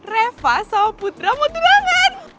reva sama putra mau tunangan